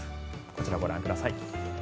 こちら、ご覧ください。